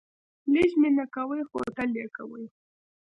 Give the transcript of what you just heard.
لږ مینه کوئ ، خو تل یې کوئ